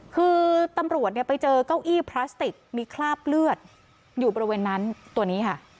คือตำรวจเนี่ยไปเจอเก้าอี้พลาสติกมีคราบเลือดอยู่บริเวณนั้นตัวนี้ค่ะ